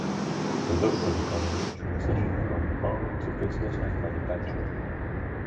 The local economy transitioned from farming to business and manufacturing.